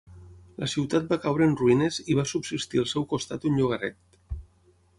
La ciutat va caure en ruïnes i va subsistir al seu costat un llogaret.